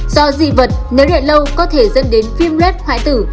do dị vật nếu đợi lâu có thể dẫn đến viêm rết hoại tử